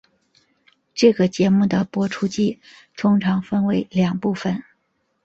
这个节目的播出季通常分为两部份。